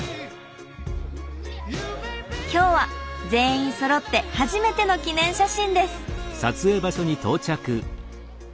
今日は全員そろって初めての記念写真です。